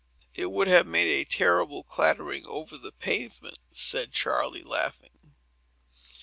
"It would have made a terrible clattering over the pavement," said Charley, laughing.